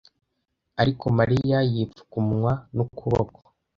ariko Mariya yipfuka umunwa n'ukuboko.